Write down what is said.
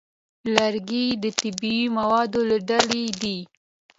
لرګی د طبیعي موادو له ډلې دی.